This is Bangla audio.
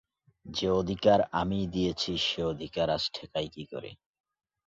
যে অধিকার আমিই দিয়েছি সে অধিকার আজ ঠেকাই কী করে!